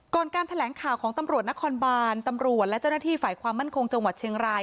การแถลงข่าวของตำรวจนครบานตำรวจและเจ้าหน้าที่ฝ่ายความมั่นคงจังหวัดเชียงราย